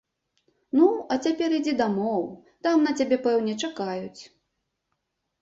Ну, а цяпер ідзі дамоў, там на цябе, пэўне, чакаюць.